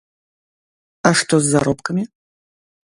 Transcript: А што з заробкамі?